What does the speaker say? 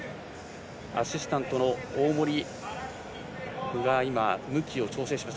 アシスタントの大森が今、向きを調整しました。